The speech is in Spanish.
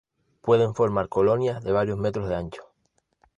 Pueden formar colonias de varios metros de ancho.